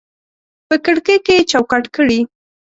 په کړکۍ کې یې چوکاټ کړي